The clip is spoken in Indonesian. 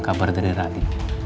kabar dari radit